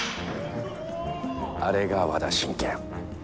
あれが和田信賢。